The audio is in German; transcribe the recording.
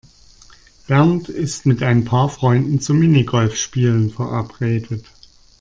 Bernd ist mit ein paar Freunden zum Minigolfspielen verabredet.